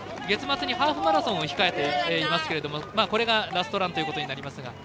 月末にハーフマラソンを控えていますがこれがラストランということになります。